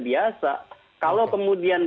biasa kalau kemudian